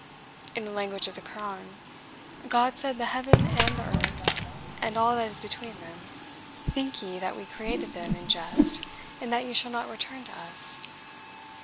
In the language of the Koran, "God said, the heaven and the earth, and all that is between them, think ye that we created them in jest, and that ye shall not return to us?"